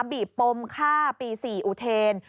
บีบปมฆ่าปี๔อุเทน